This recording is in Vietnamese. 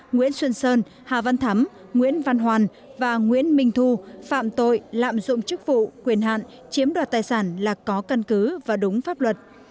nguyễn xuân sơn hà văn thắm nguyễn văn hoàn và nguyễn minh thu phạm tội lạm dụng chức vụ quyền hạn chiếm đoạt tài sản là có căn cứ và đúng pháp luật